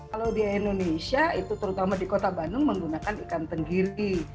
kalau di indonesia itu terutama di kota bandung menggunakan ikan tenggiri